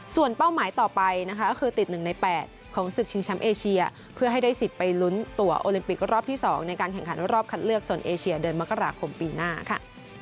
ส่วนเป้าหมายต่อไปนะคะก็คือติด๑ใน๘ของศึกชิงแชมป์เอเชียเพื่อให้ได้สิทธิ์ไปลุ้นตัวโอลิมปิกรอบที่๒ในการแข่งขันรอบคัดเลือกโซนเอเชียเดือนมกราคมปีหน้าค่ะ